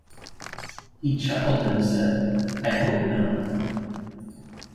He chuckled and said, 'I hope not.